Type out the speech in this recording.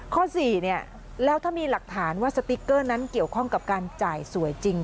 ข้อ๔แล้วถ้ามีหลักฐานว่าสติ๊กเกอร์นั้นเกี่ยวข้องกับการจ่ายสวยจริง